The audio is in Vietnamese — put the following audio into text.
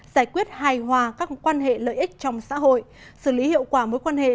giải quyết hài hòa các quan hệ lợi ích trong xã hội xử lý hiệu quả mối quan hệ